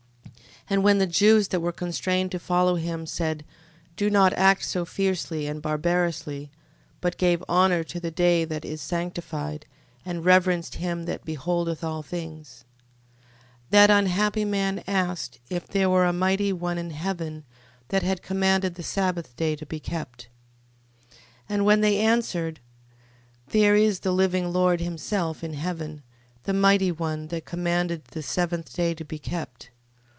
15:2. And when the Jews that were constrained to follow him, said: Do not act so fiercely and barbarously, but give honour to the day that is sanctified: and reverence him that beholdeth all things: 15:3. That unhappy man asked, if there were a mighty One in heaven, that had commanded the sabbath day to be kept. 15:4. And when they answered: There is the living Lord himself in heaven, the mighty One, that commanded the seventh day to be kept.